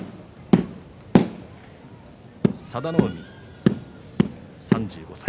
佐田の海、３５歳。